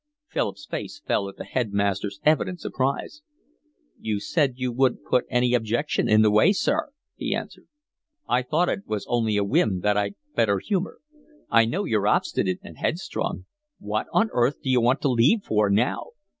Philip's face fell at the headmaster's evident surprise. "You said you wouldn't put any objection in the way, sir," he answered. "I thought it was only a whim that I'd better humour. I know you're obstinate and headstrong. What on earth d'you want to leave for now?